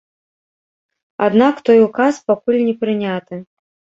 Аднак той указ пакуль не прыняты.